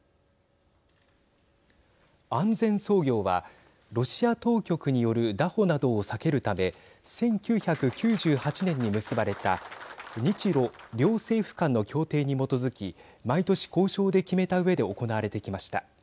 安全操業はロシア当局による拿捕などを避けるため１９９８年に結ばれた日ロ両政府間の協定に基づき毎年交渉で決めたうえで行われてきました。